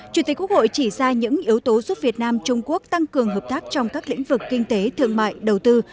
chủ tịch quốc hội chỉ ra những yếu tố giúp việt nam trung quốc tăng cường hợp tác trong các lĩnh vực kinh tế thương mại đầu tư